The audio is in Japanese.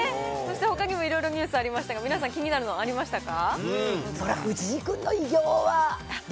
そしてほかにもいろいろニュースありましたが、皆さん、気になるのありましたか？